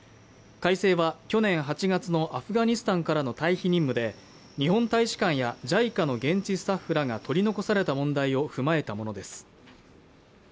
改正は去年８月のアフガニスタンからの退避任務で日本大使館やＪＩＣＡの現地スタッフらが取り残された問題を踏まえたものです